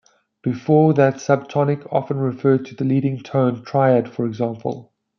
Before that subtonic often referred to the leading tone triad, for example.